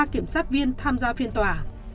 ba kiểm soát viên tham gia phiên tòa